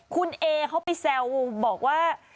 คุณเอเขาไปแซวบอกว่า